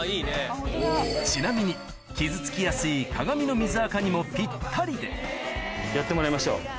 ちなみに傷つきやすい鏡の水アカにもぴったりでやってもらいましょう。